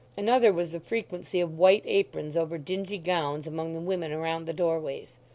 Another was the frequency of white aprons over dingy gowns among the women around the doorways.